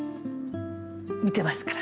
見てますから。